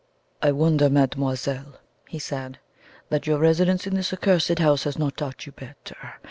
"I wonder, mademoiselle," he said, "that your residence in this accursed house has not taught you better.